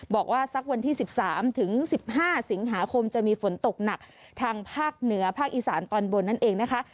บอกว่าสักวันที่๑๓ถึง๑๕สิงหาคมจะมีฝนตกหนักทางภาคเหนือภาคอีสานตอนบนนั่นเองนะคะ